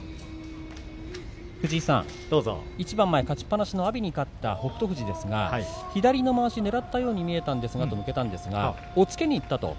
一番前、勝ちっぱなしの阿炎に勝った北勝富士ですが左のまわしをねらったように見えたんですがと向けましたら、押っつけにいった。